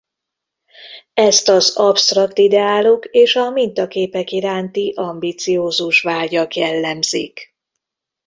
Ezt az absztrakt ideálok és a mintaképek iránti ambiciózus vágyak jellemzik.